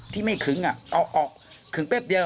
ที่ไม่ขึงเอาออกขึงแป๊บเดียว